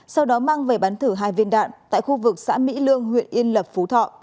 sau đó mang về bắn thử hai viên đạn tại khu vực xã mỹ lương huyện yên lập phú thọ